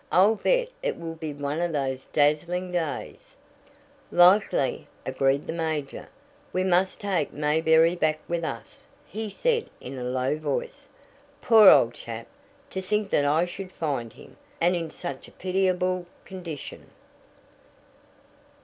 I'll bet it will be one of those dazzling days " "Likely," agreed the major. "We must take Mayberry back with us," he said in a low voice. "Poor old chap! To think that I should find him and in such a pitiable condition!"